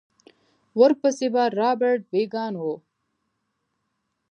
ورپسې به رابرټ بېکان و.